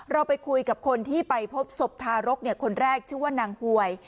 เราไปคุยกับคนที่ไปพบศพทารกคนแรกชื่อว่านางหวย